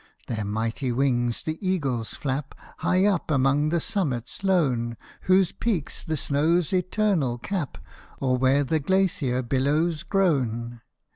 Their mighty wings the eagles flap High up among the summits lone, Whose peaks the snows eternal cap, Or where the glacier billows groan.